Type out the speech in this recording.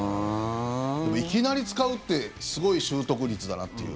でも、いきなり使うってすごい習得率だなっていう。